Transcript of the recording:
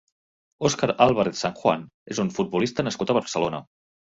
Óscar Álvarez Sanjuán és un futbolista nascut a Barcelona.